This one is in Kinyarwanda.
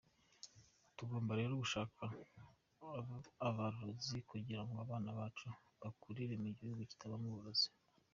Tugomba rero gushaka abarozi kugira ngo abana bacu bakurire mu gihugu kitabamo uburozi.